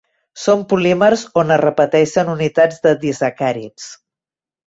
Són polímers on es repeteixen unitats de disacàrids.